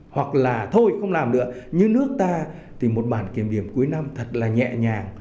hoặc là thôi không làm được như nước ta thì một bản kiểm điểm cuối năm thật là nhẹ nhàng